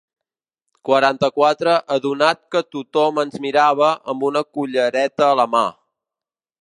Quaranta-quatre adonat que tothom ens mirava amb una cullereta a la mà.